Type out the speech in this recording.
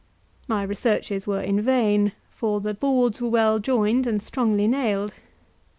My researches were vain, for the boards were well joined and strongly nailed.